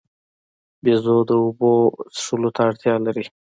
بیزو د اوبو څښلو ته اړتیا لري.